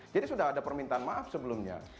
sudah ada permintaan maaf sebelumnya